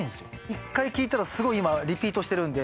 １回、聴いたらすごい今、リピートしてるんで。